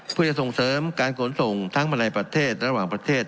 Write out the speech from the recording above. เพื่อจะส่งเสริมการขนส่งทั้งมาในประเทศระหว่างประเทศ